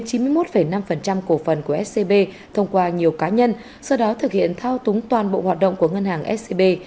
cổ phần của scb thông qua nhiều cá nhân sau đó thực hiện thao túng toàn bộ hoạt động của ngân hàng scb